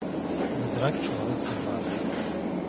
Mızrak çuvala sığmaz.